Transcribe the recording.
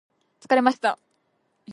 疲れました